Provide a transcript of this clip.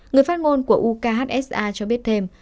người phát ngôn của ukhsa cho biết thêm